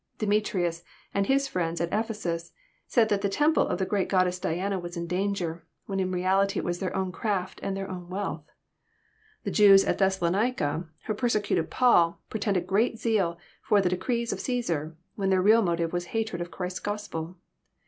Demetrius, and his fHends at Ephesus, said that the temple of the great goddess Diana was in danger, when in reality it was their own craft and their own wealth. The Jews at Thessalouica who persecuted Paul, pretended great zeal for the decrees of Caesar," when their real motive was hatred of Christ's Gospel.